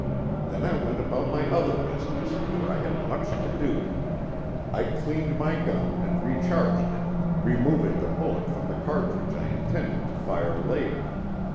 Then I went about my other business, for I had much to do. I cleaned my gun, and recharged it, removing the bullet from the cartridge I intended to fire later.